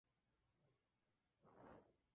El resto son duetos grabados con anterioridad.